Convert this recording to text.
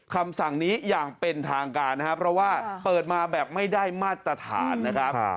คำสั่งนี้อย่างเป็นทางการนะครับเพราะว่าเปิดมาแบบไม่ได้มาตรฐานนะครับ